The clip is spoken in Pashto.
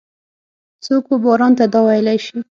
څوک وباران ته دا ویلای شي؟